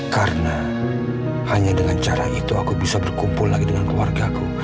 karena hanya dengan cara itu aku bisa berkumpul lagi dengan keluarga aku